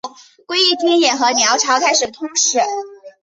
归义军也和辽朝开始通使。